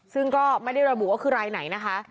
ซึ่งก็ไม่ได้ระบุว่าคือรายไหนนะคะ